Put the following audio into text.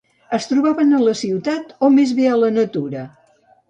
Es trobaven a la ciutat o més bé a la natura?